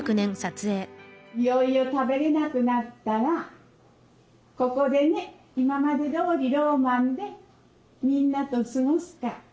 いよいよ食べれなくなったらここでね今までどおりローマンでみんなと過ごすか